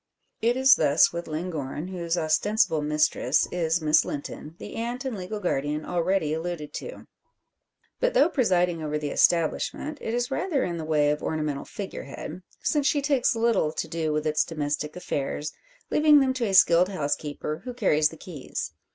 It is thus with Llangorren, whose ostensible mistress is Miss Linton, the aunt and legal guardian already alluded to. But, though presiding over the establishment, it is rather in the way of ornamental figure head; since she takes little to do with its domestic affairs, leaving them to a skilled housekeeper who carries the keys.